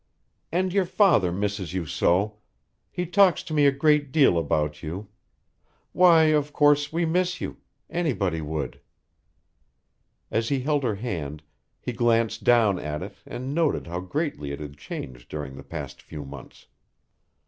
And your father misses you so; he talks to me a great deal about you. Why, of course we miss you; anybody would." As he held her hand, he glanced down at it and noted how greatly it had changed during the past few months.